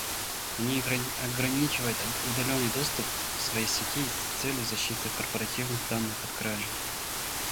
Они ограничивают удаленный доступ к своей сети с целью защиты корпоративных данных от кражи